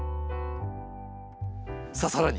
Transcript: さあさらに！